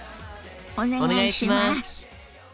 お願いします。